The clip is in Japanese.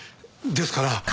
ですから。